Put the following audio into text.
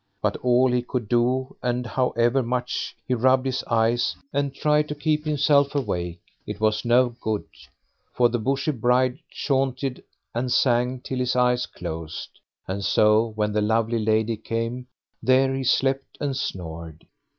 But all he could do, and however much he rubbed his eyes and tried to keep himself awake, it was no good; for the Bushy Bride chaunted and sang till his eyes closed, and so when the lovely lady came, there he slept and snored.